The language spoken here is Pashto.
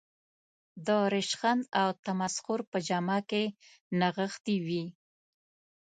د رشخند او تمسخر په جامه کې نغښتې وي.